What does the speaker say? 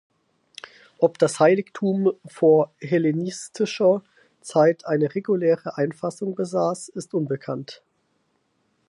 Ob das Heiligtum vor hellenistischer Zeit eine reguläre Einfassung besaß, ist unbekannt.